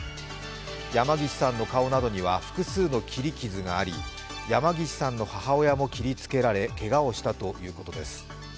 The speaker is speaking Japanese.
山岸さんの顔などには複数の切り傷があり、山岸さんの母親も切りつけられ、けがをしたということです。